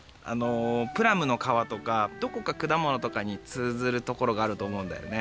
プラムのかわとかどこかくだものとかにつうずるところがあるとおもうんだよね。